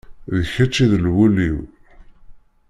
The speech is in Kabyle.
D kečč i d lwel-iw.